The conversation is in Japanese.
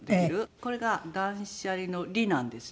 これが断捨離の「離」なんですね。